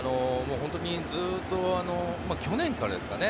ずっと、去年からですかね